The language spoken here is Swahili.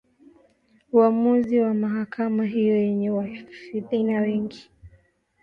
Uamuzi wa mahakama hiyo yenye wahafidhina wengi